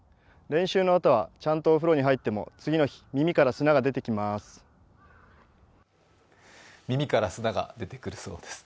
練習のあとはちゃんとお風呂に入っても耳から砂が出てきまーす。